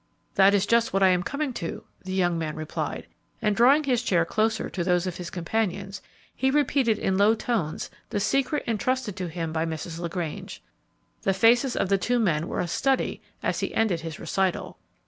"That is just what I am coming to," the young man replied; and drawing his chair closer to those of his companions, he repeated in low tones the secret intrusted to him by Mrs. LaGrange. The faces of the two men were a study as he ended his recital.